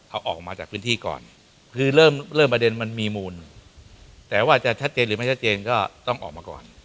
เอาออกมาจากพื้นที่ก่อนคือเริ่มเริ่มประเด็นมันมีมูลแต่ว่าจะชัดเจนหรือไม่ชัดเจนก็ต้องออกมาก่อน